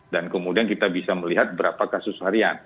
dan kemudian kita bisa melihat berapa kasus varian